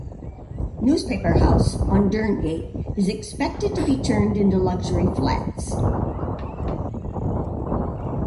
Newspaper House on Derngate is expected to be turned into luxury flats.